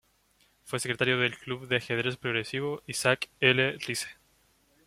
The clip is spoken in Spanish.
Fue secretario del Club de Ajedrez Progresivo Issac L. Rice.